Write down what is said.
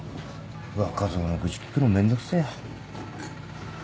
若造の愚痴聞くのめんどくせえや。